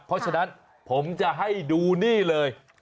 เพราะฉะนั้นผมจะให้ดูนี่เลย